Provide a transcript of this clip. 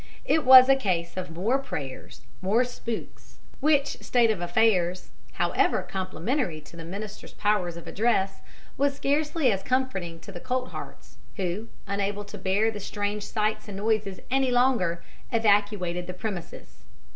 It was a case of more prayers, more spooks; which state of affairs, however complimentary to the ministers' powers of address, was scarcely as comforting to the Colthearts, who, unable to bear the strange sights and noises any longer, evacuated the premises.